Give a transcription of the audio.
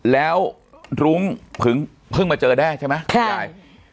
แล้วรุ้งเพิ่งมาเจอได้ใช่มั้ย